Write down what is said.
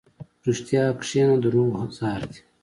په رښتیا کښېنه، دروغ زهر دي.